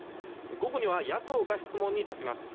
午後には野党が質問に立ちます。